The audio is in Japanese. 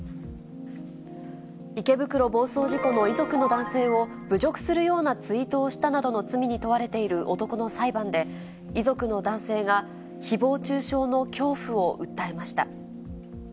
池袋暴走事故の遺族の男性を侮辱するようなツイートをしたなどの罪に問われている男の裁判で、遺族の男性が、ひぼう中傷の恐怖を訴えました。